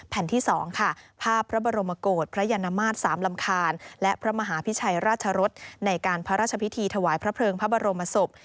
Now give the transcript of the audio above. ที่๒ค่ะภาพพระบรมโกรธพระยานมาตร๓ลำคาญและพระมหาพิชัยราชรสในการพระราชพิธีถวายพระเพลิงพระบรมศพ